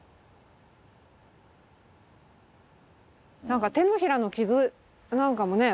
なんか手のひらの傷なんかもね